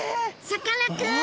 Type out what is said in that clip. さかなクン！